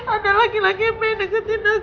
ada laki laki yang main deketin aku